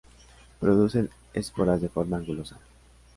Producen esporas de forma angulosa.